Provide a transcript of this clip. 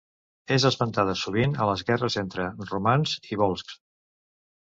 És esmentada sovint a les guerres entre romans i volscs.